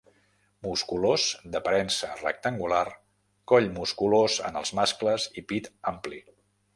Musculós, d'aparença rectangular, coll musculós en els mascles i pit ampli.